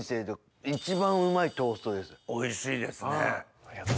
おいしいですね。